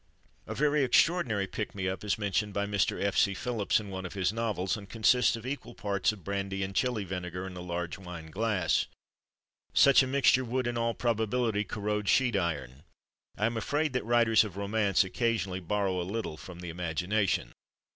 A very extraordinary pick me up is mentioned by Mr. F. C. Philips, in one of his novels, and consists of equal parts of brandy and chili vinegar in a large wine glass. Such a mixture would, in all probability, corrode sheet iron. I am afraid that writers of romance occasionally borrow a little from imagination.